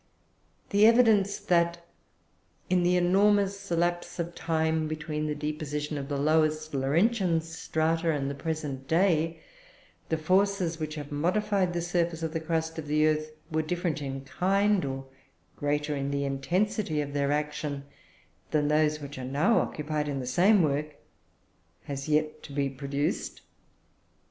The evidence that, in the enormous lapse of time between the deposition of the lowest Laurentian strata and the present day, the forces which have modified the surface of the crust of the earth were different in kind, or greater in the intensity of their action, than those which are now occupied in the same work, has yet to be produced.